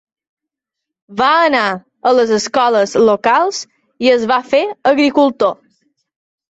Va anar a les escoles locals i es va fer agricultor.